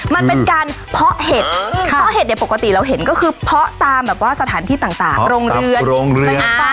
มันเป็นการเพาะเห็ดเพาะเห็ดปกติเราเห็นก็คือเพาะตามสถานที่ต่างโรงเรือน